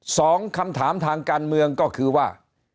สองคำถามทางการเมืองก็คือว่า